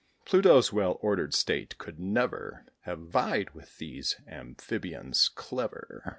Pluto's well ordered state could never Have vied with these amphibians clever.